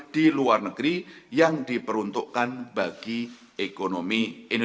di luar negeri yang diperuntukkan bagi ekonomi indonesia